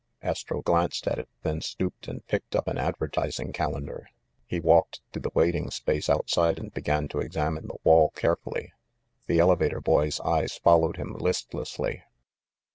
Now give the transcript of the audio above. Astro glanced at it, then stooped and picked up an advertising calendar. He walked to the waiting space outside and began to examine the wall carefully. The elevator boy's eyes followed him listlessly.